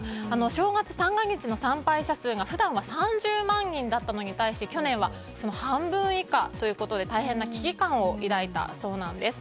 正月三が日の参拝者数が普段は３０万人だったのに対して去年は半分以下ということで大変な危機感を抱いたそうなんです。